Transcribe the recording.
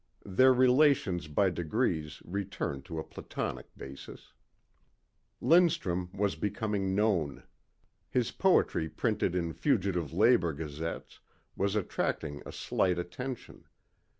Their relations by degrees returned to a platonic basis. Lindstrum was becoming known. His poetry printed in fugitive labor gazettes was attracting a slight attention.